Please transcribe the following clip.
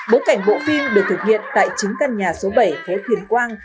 bốn cảnh bộ phim được thực hiện tại chính căn nhà số bảy phế thuyền quang